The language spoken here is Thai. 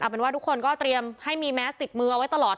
เป็นว่าทุกคนก็เตรียมให้มีแมสติดมือเอาไว้ตลอด